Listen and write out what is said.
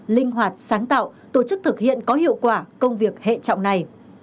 linh hoạt sáng tạo tổ chức thực hiện có hiệu quả công việc hệ trọng này